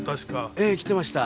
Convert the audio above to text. ええ来てました。